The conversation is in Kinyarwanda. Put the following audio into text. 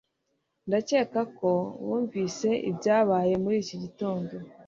ndakeka ko wumvise ibyabaye muri iki gitondo